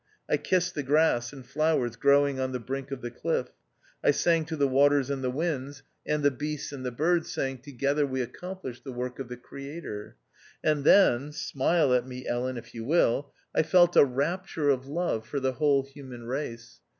I kissed the grass and flowers growing on the brink of the cliff; I sang to the waters, and the winds, and the THE OUTCAST. 251 beasts, and the birds, saying, " Together we accomplish the work of the Creator." And then — smile at me Ellen if you will — I felt a rapture of love for the whole human race.